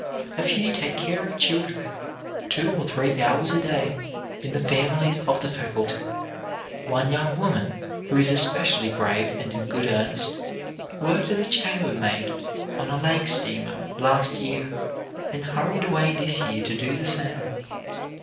A few take care of children, two or three hours a day, in the families of the faculty. One young woman, who is especially brave and in good earnest, worked as a chambermaid on a lake steamer last year and hurried away this year to do the same.